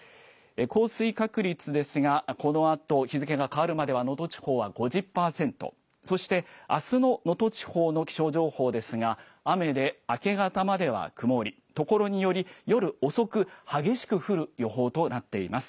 降水確率ですがこのあと日付が変わるまでは能登地方は５０％、そしてあすの能登地方の気象情報ですが雨で明け方までは曇り、ところにより夜遅く激しく降る予報となっています。